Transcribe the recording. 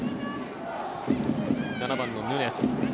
７番のヌニェス。